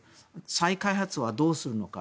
再開発はどうするのか。